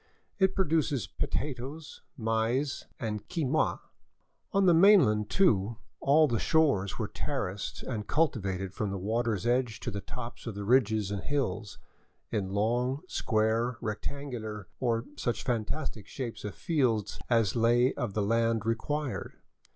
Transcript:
It pro duces potatoes, maize, and quinoa. On the mainland, too, all the shores were terraced and cultivated from the water's edge to the tops of the ridges and hills, in long, square, rectangular, or such fantastic shapes of fields as the lay of the land required.